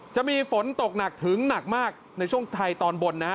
จะมีฝนตกหนักถึงหนักมากในช่วงไทยตอนบนนะฮะ